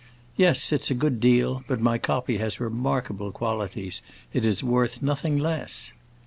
"Yes, it's a good deal. But my copy has remarkable qualities, it is worth nothing less."